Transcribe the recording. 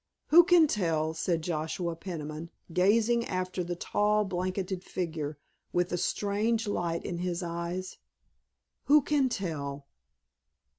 "Who can tell!" said Joshua Peniman, gazing after the tall blanketed figure with a strange light in his eyes, "who can tell!"